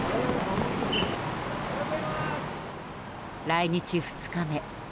来日２日目。